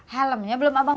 helmnya belum abang bawa